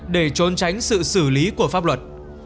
để trốn tránh sự xử lý của pháp luật